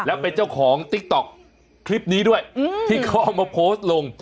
แล้วเป็นเจ้าของติ๊กต๊อกคลิปนี้ด้วยที่เขาเอามาโพสต์ลง